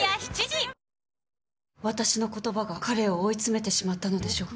私の言葉が、彼を追い詰めてしまったのでしょうか。